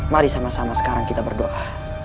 mari sama sama sekarang kita berdoa